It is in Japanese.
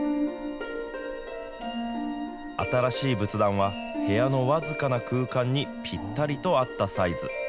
新しい仏壇は、部屋の僅かな空間にぴったりと合ったサイズ。